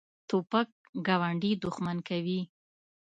توپک ګاونډي دښمن کوي.